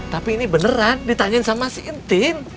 tapi ini beneran ditanyain sama si intin